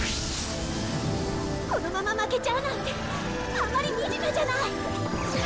このまま負けちゃうなんてあんまりみじめじゃない！